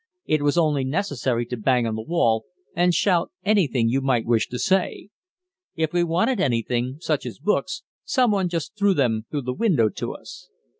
It was only necessary to bang on the wall and shout anything you might wish to say. If we wanted anything, such as books, some one just threw them through the window to us.